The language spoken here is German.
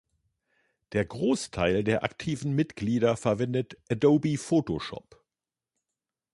Der Großteil der aktiven Mitglieder verwendet Adobe Photoshop.